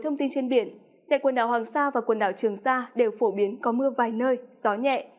thông tin trên biển tại quần đảo hoàng sa và quần đảo trường sa đều phổ biến có mưa vài nơi gió nhẹ